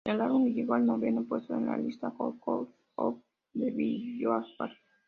El álbum llegó al noveno puesto en la lista "Hot Country Albums" de "Billboard".